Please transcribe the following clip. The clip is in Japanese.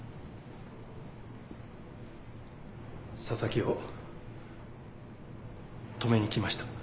佐々木を止めに来ました。